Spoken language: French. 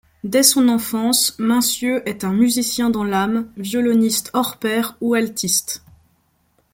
Dès son enfance Mainssieux est un musicien dans l'âme, violoniste hors pair ou altiste.